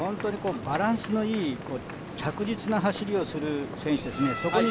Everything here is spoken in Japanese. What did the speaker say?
本当にバランスのいい着実な走りをする選手ですね。